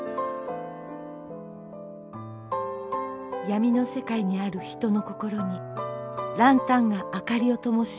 闇の世界にある人の心に角灯が明かりをともします。